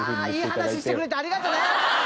いい話してくれてありがとね！